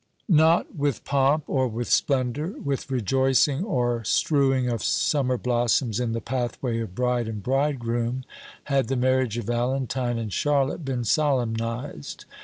Not with pomp or with splendour, with rejoicing or strewing of summer blossoms in the pathway of bride and bridegroom, had the marriage of Valentine and Charlotte been solemnized.